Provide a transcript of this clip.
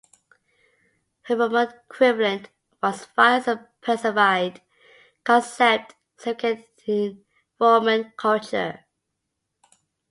Her Roman equivalent was Fides, a personified concept significant in Roman culture.